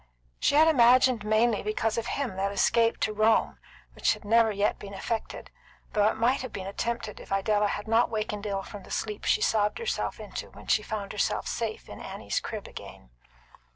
She had imagined mainly because of him that escape to Rome which never has yet been effected, though it might have been attempted if Idella had not wakened ill from the sleep she sobbed herself into when she found herself safe in Annie's crib again.